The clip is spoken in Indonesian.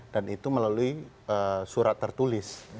dan itu melalui surat tertulis